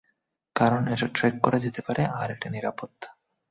কারণ এটা ট্র্যাক করা যেতে পারে আর এটা নিরাপদ।